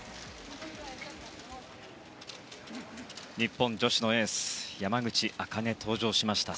日本女子のエース山口茜が登場しました。